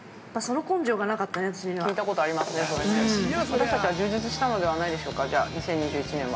◆私たちは充実したのではないでしょうか、２０２１は。